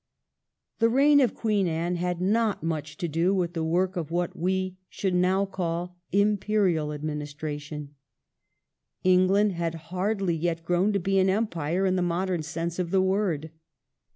The reign of Anne had not much to do with the work of what we should now call Imperial adminis tration. England had hardly yet grown to be an empire in the modern sense of the word.